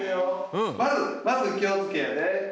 まずまずきをつけやで。